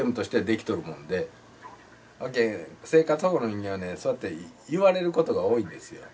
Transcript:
やけん生活保護の人間はねそうやって言われることが多いんですよ。